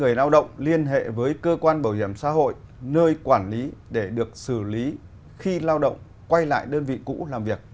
người lao động liên hệ với cơ quan bảo hiểm xã hội nơi quản lý để được xử lý khi lao động quay lại đơn vị cũ làm việc